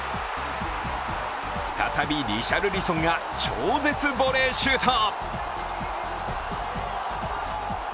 再びリシャルリソンが超絶ボレーシュート。